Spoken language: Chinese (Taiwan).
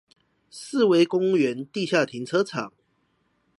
四維公園地下停車場